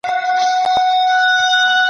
ولوستل شي حقایق به